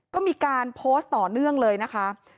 ก็มีการโพสต์ต่อเนื่องเลยนะคะ